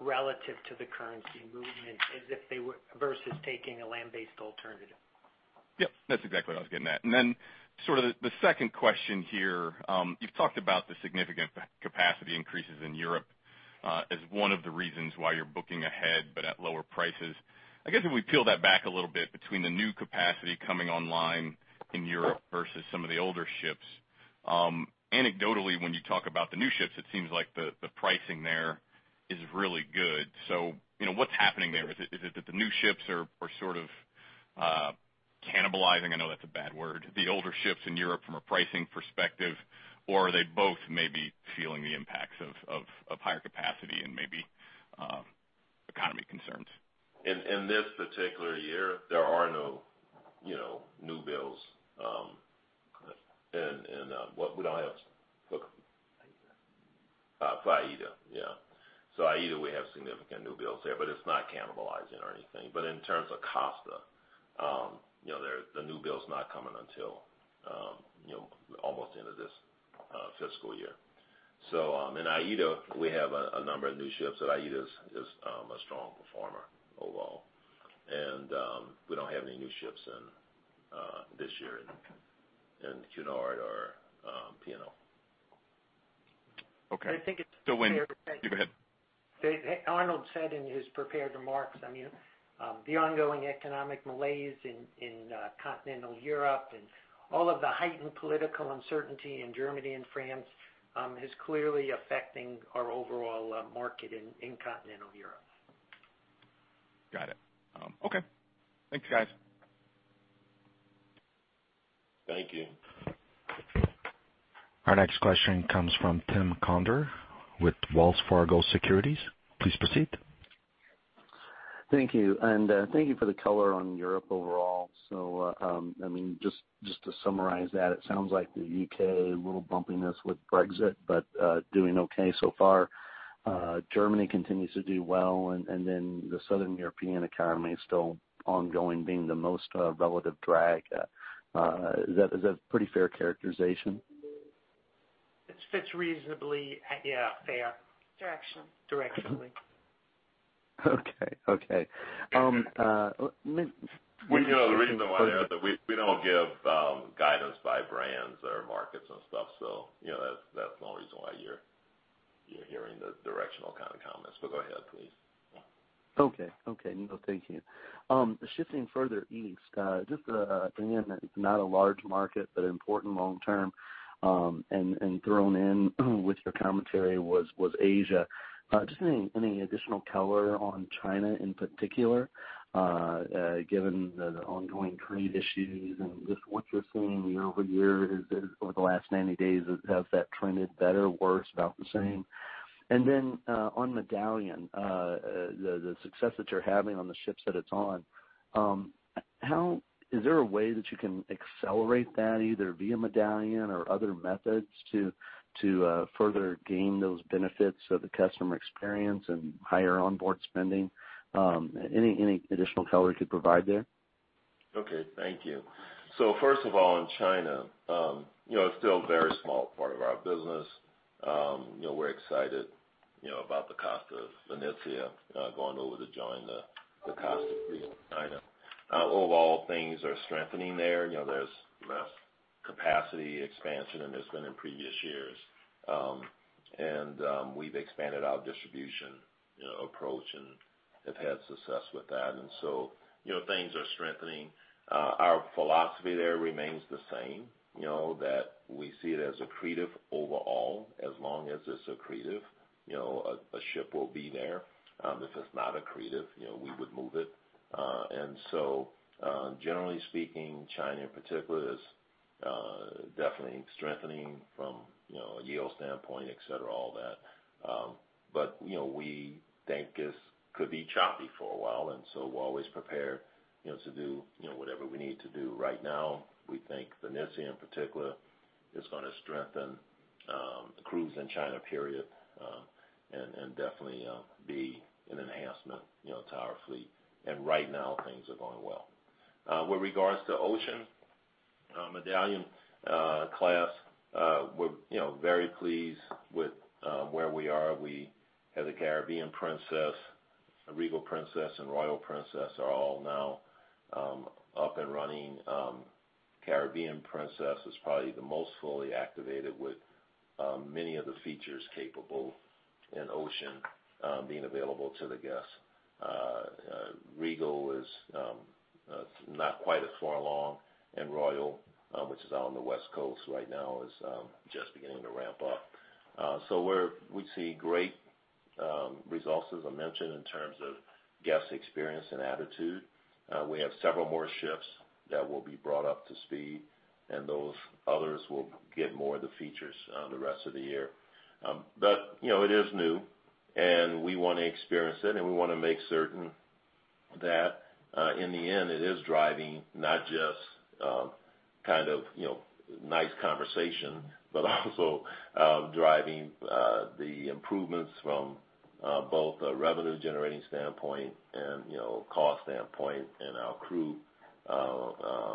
relative to the currency movement versus taking a land-based alternative. Yep, that's exactly what I was getting at. Then the second question here, you've talked about the significant capacity increases in Europe as one of the reasons why you're booking ahead, but at lower prices. I guess if we peel that back a little bit between the new capacity coming online in Europe versus some of the older ships. Anecdotally, when you talk about the new ships, it seems like the pricing there is really good. What's happening there? Is it that the new ships are cannibalizing, I know that's a bad word, the older ships in Europe from a pricing perspective, or are they both maybe feeling the impacts of higher capacity and maybe economy concerns? In this particular year, there are no new builds. What we don't have? Aida. Aida, yeah. Aida, we have significant new builds there, but it's not cannibalizing or anything. In terms of Costa, the new build's not coming until almost into this fiscal year. In Aida, we have a number of new ships, and Aida is a strong performer overall. We don't have any new ships in this year in Cunard or P&O. Okay. I think it's- You go ahead. Arnold said in his prepared remarks, the ongoing economic malaise in Continental Europe and all of the heightened political uncertainty in Germany and France is clearly affecting our overall market in Continental Europe. Got it. Okay. Thank you, guys. Thank you. Our next question comes from Tim Conder with Wells Fargo Securities. Please proceed. Thank you. Thank you for the color on Europe overall. Just to summarize that, it sounds like the U.K., a little bumpiness with Brexit, doing okay so far. Germany continues to do well, the Southern European economy is still ongoing, being the most relative drag. Is that a pretty fair characterization? It fits reasonably, yeah, fair. Direction. Directionally. Okay. Well, the reason why that we don't give guidance by brands or markets and stuff, that's the only reason why you're hearing the directional kind of comments. Go ahead, please. Yeah. Okay. No, thank you. Shifting further east, just Japan, it's not a large market, but important long term, and thrown in with your commentary was Asia. Just any additional color on China in particular, given the ongoing trade issues and just what you're seeing year-over-year is, or the last 90 days, has that trended better, worse, about the same? On Medallion, the success that you're having on the ships that it's on, is there a way that you can accelerate that, either via Medallion or other methods to further gain those benefits of the customer experience and higher onboard spending? Any additional color you could provide there? Okay, thank you. First of all, in China, it's still a very small part of our business. We're excited about the Costa Venezia going over to join the Costa fleet in China. Overall, things are strengthening there. There's less capacity expansion than there's been in previous years. We've expanded our distribution approach and have had success with that. Things are strengthening. Our philosophy there remains the same, that we see it as accretive overall. As long as it's accretive, a ship will be there. If it's not accretive, we would move it. Generally speaking, China in particular is definitely strengthening from a yield standpoint, et cetera, all that. But we think this could be choppy for a while, we're always prepared to do whatever we need to do. Right now, we think Venezia, in particular, is going to strengthen, cruise in China, period, and definitely be an enhancement to our fleet. Right now, things are going well. With regards to Ocean Medallion Class, we're very pleased with where we are. We have the Caribbean Princess, Regal Princess and Royal Princess are all now up and running. Caribbean Princess is probably the most fully activated with many of the features capable in Ocean being available to the guests. Regal is not quite as far along, Royal, which is out on the West Coast right now, is just beginning to ramp up. We see great results, as I mentioned, in terms of guest experience and attitude. We have several more ships that will be brought up to speed, those others will get more of the features the rest of the year. It is new, we want to experience it, we want to make certain that, in the end, it is driving not just nice conversation, but also driving the improvements from both a revenue-generating standpoint and cost standpoint and our crew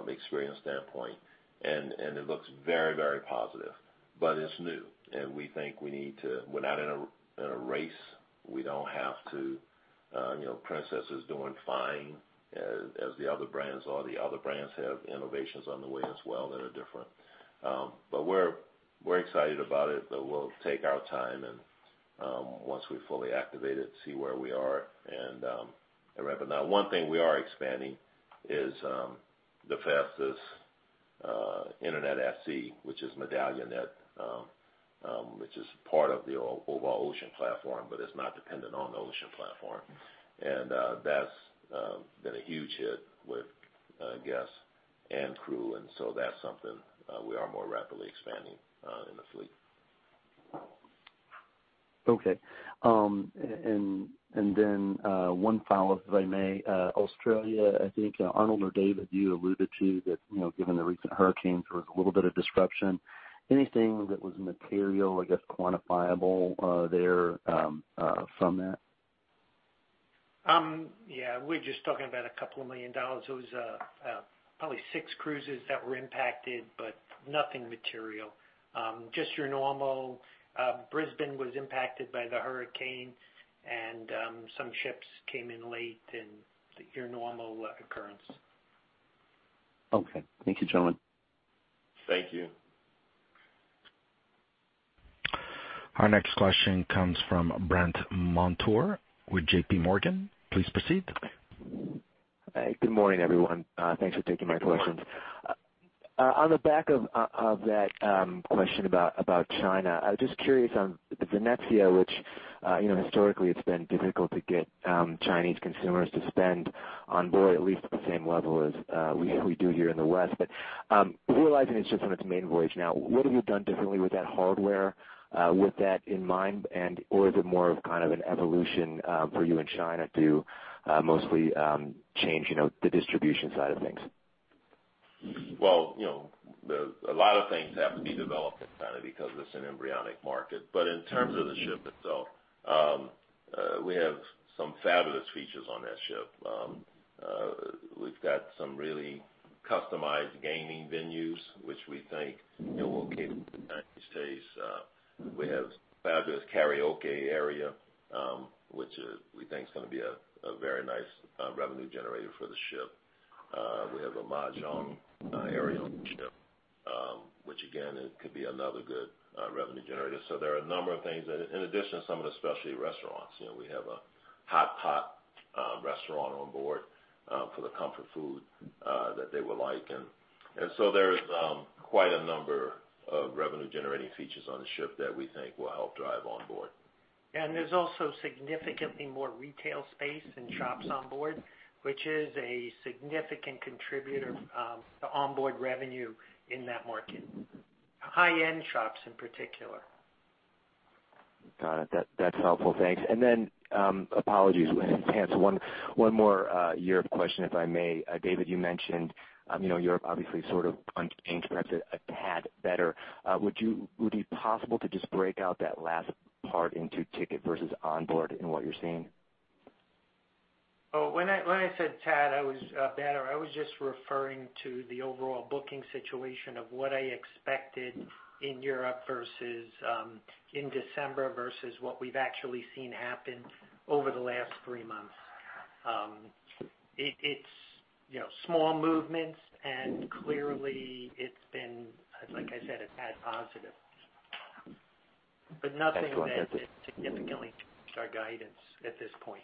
experience standpoint. It looks very positive, it's new. We're not in a race. Princess is doing fine. All the other brands have innovations on the way as well that are different. We're excited about it, we'll take our time, once we fully activate it, see where we are and ramp it up. One thing we are expanding is the fastest internet at sea, which is MedallionNet, which is part of the overall Ocean platform, but it's not dependent on the Ocean platform. That's been a huge hit with guests and crew, that's something we are more rapidly expanding in the fleet. Okay. One follow-up, if I may. Australia, I think, Arnold or David, you alluded to that, given the recent hurricanes, there was a little bit of disruption. Anything that was material, I guess, quantifiable there from that? Yeah. We're just talking about a couple of million dollars. It was probably six cruises that were impacted, nothing material. Just your normal. Brisbane was impacted by the hurricane, some ships came in late and your normal occurrence. Okay. Thank you, gentlemen. Thank you. Our next question comes from Brandt Montour with JP Morgan. Please proceed. Good morning, everyone. Thanks for taking my questions. On the back of that question about China, I was just curious on the Venezia, which historically it's been difficult to get Chinese consumers to spend on board, at least at the same level as we do here in the West. Realizing it's just on its maiden voyage now, what have you done differently with that hardware with that in mind? And/or is it more of an evolution for you in China to mostly change the distribution side of things? Well, a lot of things have to be developed in China because it's an embryonic market. In terms of the ship itself, we have some fabulous features on that ship. We've got some really customized gaming venues, which we think will be Chinese taste. We have a fabulous karaoke area, which we think is going to be a very nice revenue generator for the ship. We have a Mahjong area on the ship, which again, could be another good revenue generator. There are a number of things. In addition, some of the specialty restaurants. We have a hot pot restaurant on board for the comfort food that they would like. There is quite a number of revenue-generating features on the ship that we think will help drive on board. There's also significantly more retail space and shops on board, which is a significant contributor to onboard revenue in that market. High-end shops in particular. Got it. That's helpful. Thanks. Apologies in advance. One more Europe question, if I may. David, you mentioned Europe obviously sort of on pace, perhaps a tad better. Would it be possible to just break out that last part into ticket versus on board in what you're seeing? When I said tad better, I was just referring to the overall booking situation of what I expected in Europe versus in December, versus what we've actually seen happen over the last three months. It's small movements, clearly it's been, like I said, a tad positive. Nothing that significantly impacts our guidance at this point.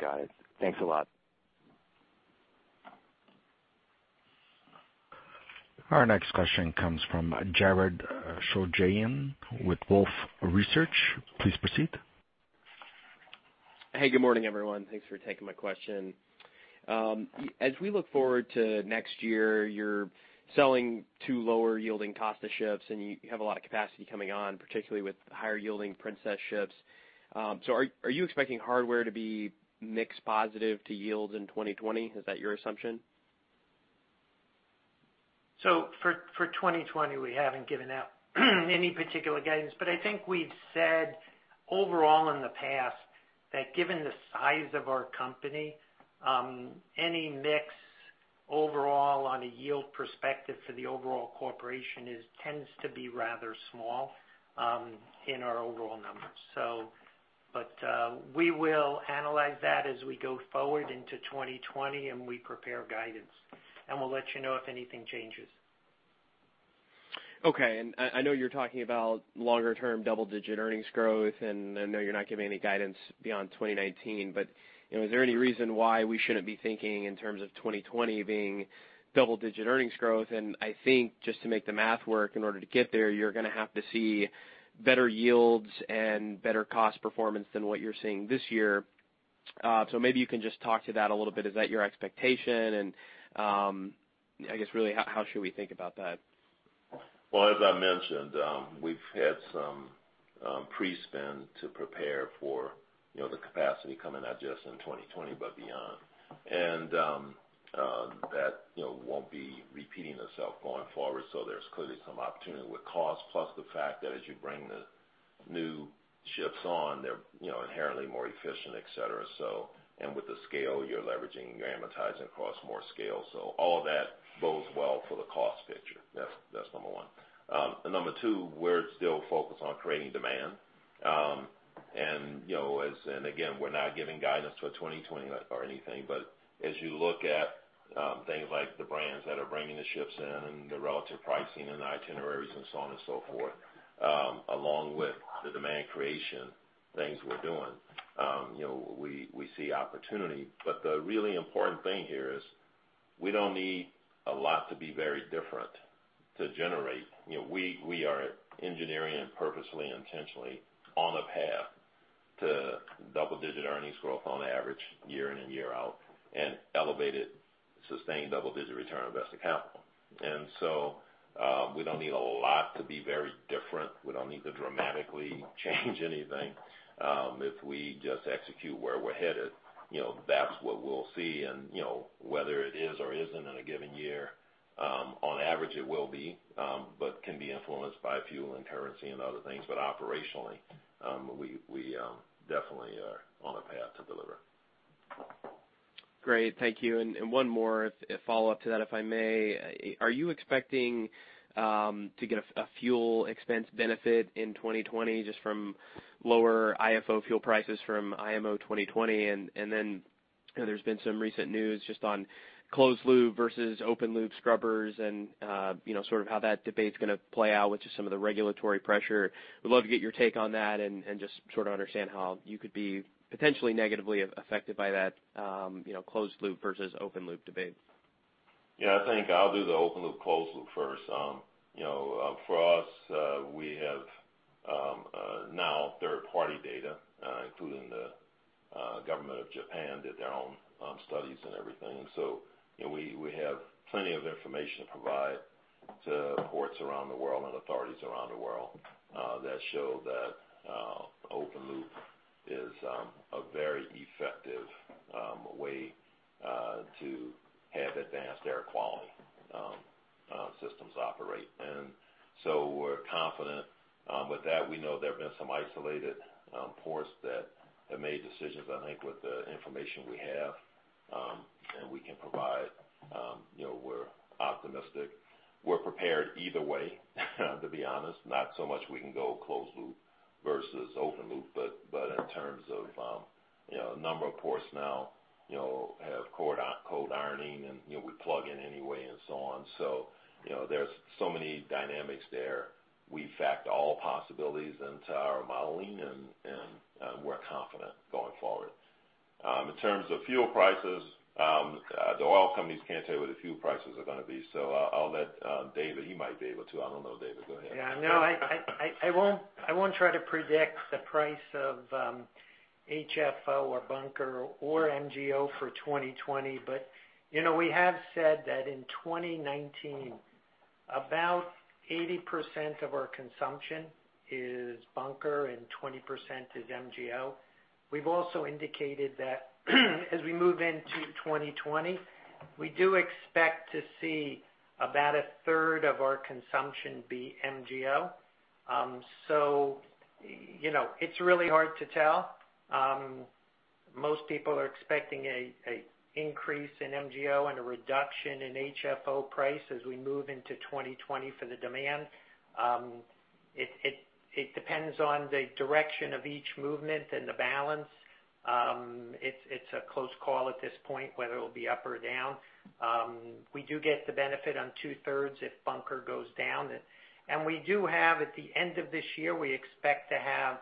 Got it. Thanks a lot. Our next question comes from Jared Shojaian with Wolfe Research. Please proceed. Hey, good morning, everyone. Thanks for taking my question. As we look forward to next year, you're selling two lower-yielding Costa ships, and you have a lot of capacity coming on, particularly with higher-yielding Princess ships. Are you expecting hardware to be mix positive to yields in 2020? Is that your assumption? For 2020, we haven't given out any particular guidance. I think we've said overall in the past that given the size of our company, any mix overall on a yield perspective for the overall corporation tends to be rather small in our overall numbers. We will analyze that as we go forward into 2020, and we prepare guidance. We'll let you know if anything changes. Okay. I know you're talking about longer-term double-digit earnings growth, and I know you're not giving any guidance beyond 2019. Is there any reason why we shouldn't be thinking in terms of 2020 being double-digit earnings growth? I think just to make the math work, in order to get there, you're going to have to see better yields and better cost performance than what you're seeing this year. Maybe you can just talk to that a little bit. Is that your expectation? I guess really, how should we think about that? Well, as I mentioned, we've had some pre-spend to prepare for the capacity coming not just in 2020, but beyond. That won't be repeating itself going forward, so there's clearly some opportunity with cost. Plus the fact that as you bring the new ships on, they're inherently more efficient, et cetera. With the scale, you're leveraging, you're amortizing across more scale. All of that bodes well for the cost picture. That's number one. Number two, we're still focused on creating demand. Again, we're not giving guidance for 2020 or anything. As you look at things like the brands that are bringing the ships in and the relative pricing and the itineraries and so on and so forth, along with the demand creation things we're doing, we see opportunity. The really important thing here is we don't need a lot to be very different to generate. We are engineering and purposely intentionally on a path to double-digit earnings growth on average year in and year out, and elevated sustained double-digit return on invested capital. So, we don't need a lot to be very different. We don't need to dramatically change anything. If we just execute where we're headed, that's what we'll see. Whether it is or isn't in a given year, on average it will be, but can be influenced by fuel and currency and other things. Operationally, we definitely are on a path to deliver. Great. Thank you. One more follow-up to that, if I may. Are you expecting to get a fuel expense benefit in 2020 just from lower IFO fuel prices from IMO 2020? Then, there's been some recent news just on closed loop versus open loop scrubbers and sort of how that debate's going to play out with just some of the regulatory pressure. Would love to get your take on that and just sort of understand how you could be potentially negatively affected by that closed loop versus open loop debate. Yeah, I think I'll do the open loop, closed loop first. For us, we have now third-party data, including the government of Japan did their own studies and everything. We have plenty of information to provide to ports around the world and authorities around the world that show that open loop is a very effective way to have advanced air quality systems operate. We're confident with that. We know there have been some isolated ports that have made decisions, I think, with the information we have, and we can provide. We're optimistic. We're prepared either way, to be honest. Not so much we can go closed loop versus open loop, but in terms of a number of ports now have cold ironing, and we plug in anyway and so on. There's so many dynamics there. We fact all possibilities into our modeling, and we are confident going forward. In terms of fuel prices, the oil companies cannot tell you what the fuel prices are going to be. I will let David, he might be able to. I do not know, David, go ahead. I will not try to predict the price of HFO or bunker or MGO for 2020. We have said that in 2019, about 80% of our consumption is bunker and 20% is MGO. We have also indicated that as we move into 2020, we do expect to see about a third of our consumption be MGO. It is really hard to tell. Most people are expecting an increase in MGO and a reduction in HFO price as we move into 2020 for the demand. It depends on the direction of each movement and the balance. It is a close call at this point, whether it will be up or down. We do get the benefit on two-thirds if bunker goes down. We do have, at the end of this year, we expect to have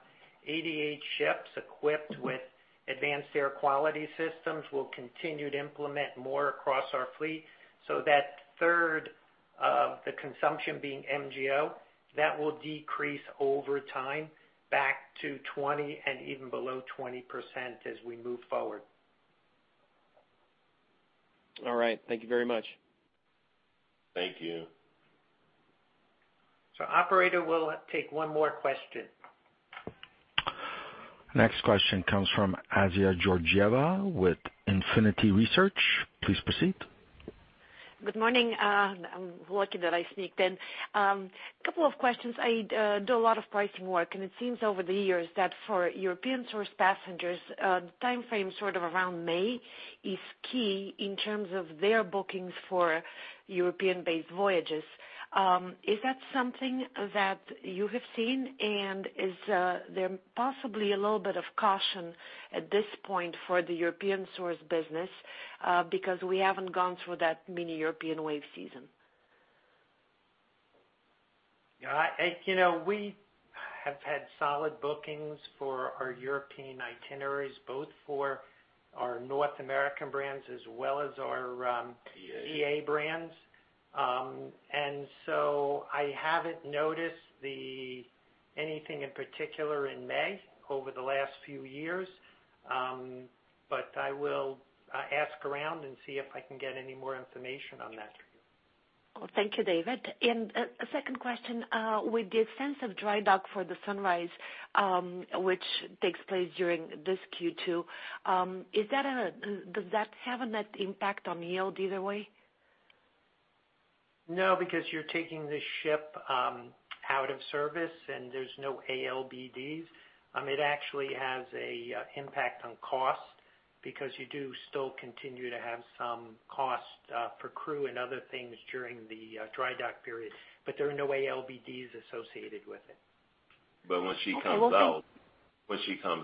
88 ships equipped with advanced air quality systems. We will continue to implement more across our fleet. That third of the consumption being MGO, that will decrease over time back to 20 and even below 20% as we move forward. All right. Thank you very much. Thank you. Operator, we'll take one more question. Next question comes from Assia Georgieva with Infinity Research. Please proceed. Good morning. I'm lucky that I sneaked in. Couple of questions. I do a lot of pricing work, and it seems over the years that for European source passengers, the timeframe sort of around May is key in terms of their bookings for European-based voyages. Is that something that you have seen, and is there possibly a little bit of caution at this point for the European source business because we haven't gone through that many European wave season? We have had solid bookings for our European itineraries, both for our North American brands as well as our EA brands. I haven't noticed anything in particular in May over the last few years. I will ask around and see if I can get any more information on that for you. Well, thank you, David. A second question. With the extensive dry dock for the Sunrise, which takes place during this Q2, does that have a net impact on yield either way? No, because you're taking the ship out of service, and there's no ALBDs. It actually has an impact on cost because you do still continue to have some cost for crew and other things during the dry dock period. There are no ALBDs associated with it. When she comes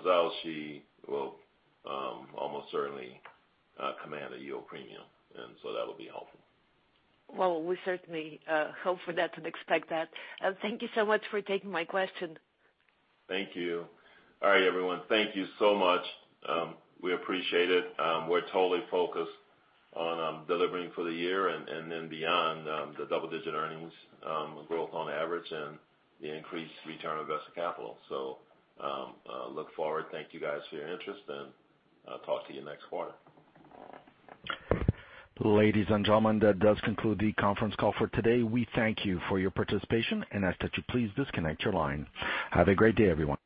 out, she will almost certainly command a yield premium, that'll be helpful. Well, we certainly hope for that and expect that. Thank you so much for taking my question. Thank you. All right, everyone. Thank you so much. We appreciate it. We are totally focused on delivering for the year and then beyond, the double-digit earnings growth on average and the increased return on invested capital. Look forward. Thank you guys for your interest, and talk to you next quarter. Ladies and gentlemen, that does conclude the conference call for today. We thank you for your participation and ask that you please disconnect your line. Have a great day, everyone.